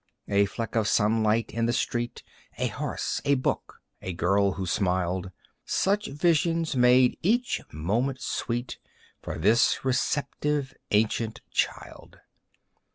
A fleck of sunlight in the street, A horse, a book, a girl who smiled, Such visions made each moment sweet For this receptive ancient child.